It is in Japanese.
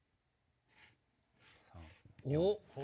おっ？